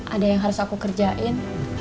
ada yang harus aku kerjain